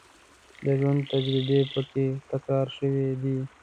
د ژوند تجربې په کې تکرار شوې دي.